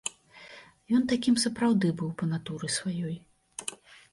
Ён такім сапраўды быў па натуры сваёй.